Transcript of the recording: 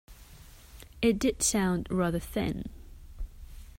It did sound rather thin.